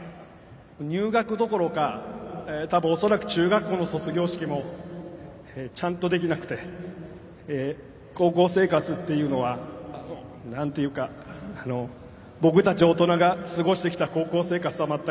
入学どころか多分恐らく中学校の卒業式もちゃんとできなくて高校生活っていうのは何て言うか僕たち大人が過ごしてきた高校生活とは全く違うんですね。